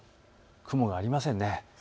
雲がありませんね。